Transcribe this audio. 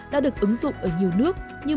đã được ứng dụng ở nhiều nước như